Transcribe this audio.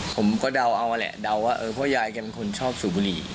ผมก็เดาเอาแหละเดาว่าเออพ่อยายแกเป็นคนชอบสูบบุหรี่